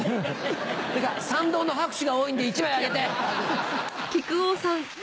ってか賛同の拍手が多いんで１枚あげて。